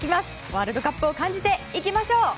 ワールドカップを感じていきましょう！